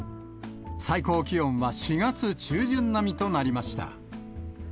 最高気温は４月中旬並みとなりました。